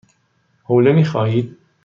حوله می خواهید؟